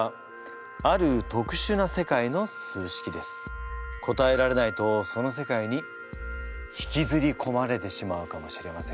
これは答えられないとその世界に引きずりこまれてしまうかもしれませんよ。